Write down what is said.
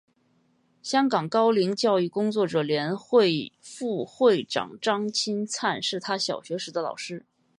香港高龄教育工作者联会副会长张钦灿是他小学时的老师。